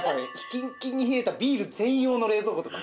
キンキンに冷えたビール専用の冷蔵庫とか。